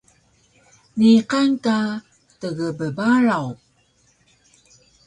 Niqan ka tgbbaraw